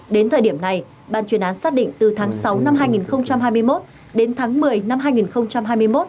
đến thời điểm này ban chuyên án xác định từ tháng sáu năm hai nghìn hai mươi một đến tháng một mươi năm hai nghìn hai mươi một